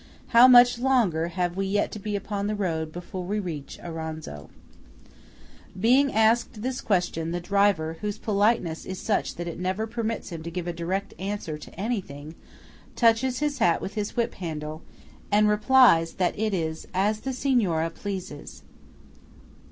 How much longer have we yet to be upon the road before we reach Auronzo? Being asked this question, the driver, whose politeness is such that it never permits him to give a direct answer to anything, touches his hat with his whip handle, and replies that it is "as the Signora pleases."